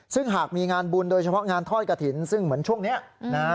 ซึ่งหากมีงานบุญโดยเฉพาะงานทอดกระถิ่นซึ่งเหมือนช่วงนี้นะฮะ